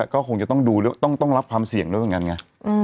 ก็คงจะต้องดูต้องรับความเสี่ยงด้วยเหมือนกันไง